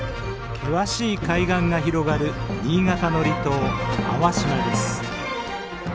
険しい海岸が広がる新潟の離島粟島です。